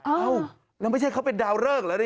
อ้าวแล้วไม่ใช่เขาเป็นดาวเริกหรืออะไร